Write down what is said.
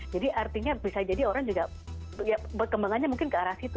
jadi artinya bisa jadi orang juga ya kembangannya mungkin ke arah situ